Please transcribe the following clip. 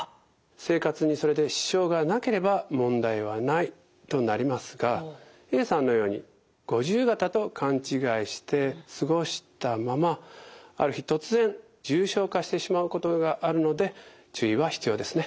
生活にそれで支障がなければ問題はないとなりますがＡさんのように五十肩と勘違いして過ごしたままある日突然重症化してしまうことがあるので注意は必要ですね。